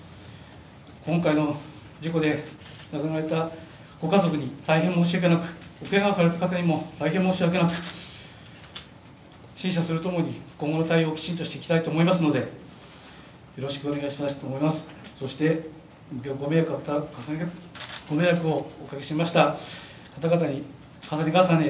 今回の事故で亡くなられたご家族に大変申し訳なく、おけがをされた方にも大変申し訳なく深謝するとともに、今後の対応をきちんとしていきたいと思いますのでそして、ご迷惑をおかけしました方々に重ね重ね